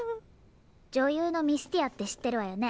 じょゆうのミスティアってしってるわよね？